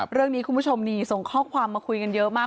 คุณผู้ชมนี่ส่งข้อความมาคุยกันเยอะมาก